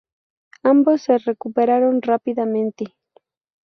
Ambos se recuperaron rápidamente.